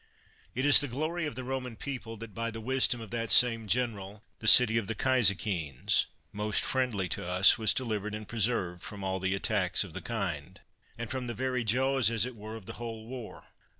It is the glory of the Roman people that, by the wisdom of that same general, the city of the Cyzicenes, most friendly to us, was delivered and preserved from all the attacks of the kind, and from the very jaws as it were of the whole war.